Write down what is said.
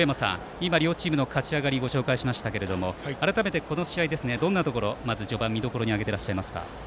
今両チームの勝ち上がりをご紹介しましたが改めてこの試合どんなところを序盤の見どころに挙げていらっしゃいますか。